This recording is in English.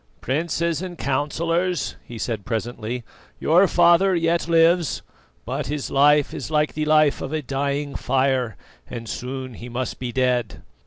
"Princes and Councillors," he said presently, "your father yet lives, but his life is like the life of a dying fire and soon he must be dead.